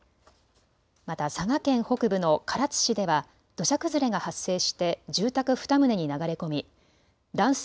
また、佐賀県北部の唐津市では土砂崩れが発生して住宅２棟に流れ込み男性